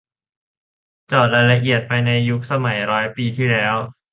เจาะรายละเอียดไปในยุคสมัยร้อยปีที่แล้ว